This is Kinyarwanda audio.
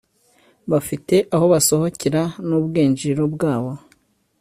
bafite aho basohokera n'ubwinjiriro bwabo